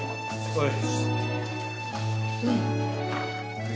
はい。